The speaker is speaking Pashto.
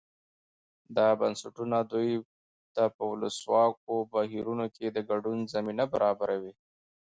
دا بنسټونه دوی ته په ولسواکو بهیرونو کې د ګډون زمینه برابروي.